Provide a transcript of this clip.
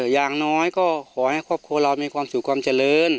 อย่างน้อยก็ขอให้ครอบครัวเรามีความสุขความเจริญ